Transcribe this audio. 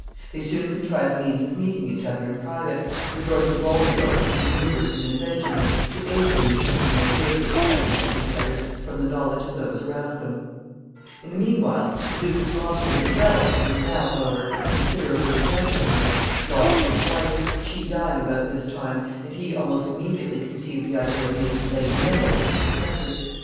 They soon contrived means of meeting each other in private, resorting to all sorts of manoeuvres and inventions to aid them in keeping their guilty attachment to each other from the knowledge of those around them. [Sidenote: The Duke of Gloucester.] In the mean while, the Duke of Gloucester himself, who was now, however, considerably advanced in life, lost his wife, she dying about this time, and he almost immediately conceived the idea of making Lady Neville her successor.